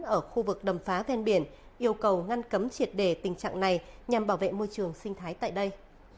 ở khu vực đầm phá ven biển yêu cầu ngăn cấm triệt để tình trạng này nhằm bảo vệ môi trường sinh thái tại đây